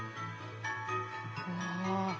うわ。